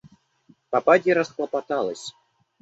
Попадья расхлопоталась.